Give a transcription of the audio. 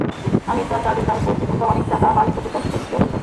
আমি তোমাদের বলছি, তোমরা অনেক টাকার মালিক হতে চলেছ।